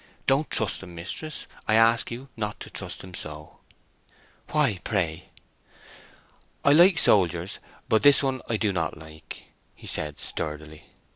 Don't trust him, mistress; I ask you not to trust him so." "Why, pray?" "I like soldiers, but this one I do not like," he said, sturdily.